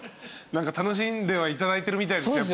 何か楽しんではいただいてるみたいです。